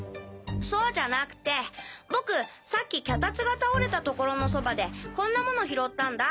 そうじゃなくて僕さっき脚立が倒れた所のそばでこんな物拾ったんだ。